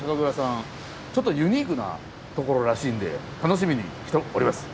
ちょっとユニークな所らしいんで楽しみにしております。